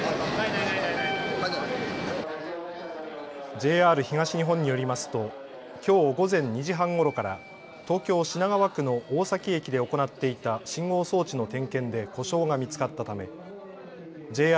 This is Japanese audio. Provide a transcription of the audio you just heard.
ＪＲ東日本によりますときょう午前２時半ごろから東京品川区の大崎駅で行っていた信号装置の点検で故障が見つかったためＪＲ